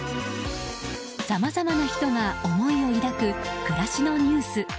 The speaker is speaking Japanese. さまざまな人が思いを抱く暮らしのニュース。